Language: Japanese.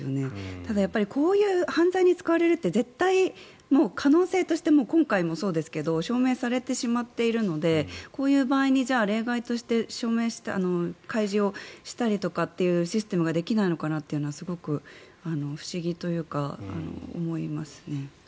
ただ、こういう犯罪に使われるって絶対、可能性として今回もそうですけど証明されてしまっているのでこういう場合に例外として開示をしたりとかというシステムができないのかなっていうのはすごく不思議というか思いますね。